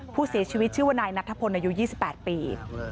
ผู้เสียชีวิตชื่อว่านายนัทธพลอายุ๒๘ปี